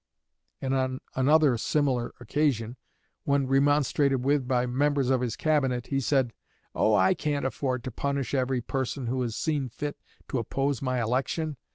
And on another similar occasion, when remonstrated with by members of his Cabinet, he said: "Oh, I can't afford to punish every person who has seen fit to oppose my election.